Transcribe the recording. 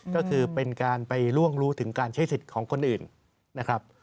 ก็คือเป็นการไปล่วงรู้ถึงการใช้สิทธิ์ของคนอื่นนะครับ